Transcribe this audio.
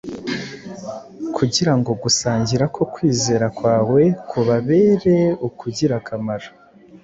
kugira ngo gusangira ko kwizera kwawe kubabere ukugira akamaro